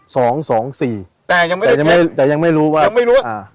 สองสองสี่แต่ยังไม่ได้แต่ยังไม่รู้ว่ายังไม่รู้ว่า